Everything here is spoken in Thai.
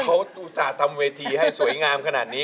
เขาอุตส่าห์ทำเวทีให้สวยงามขนาดนี้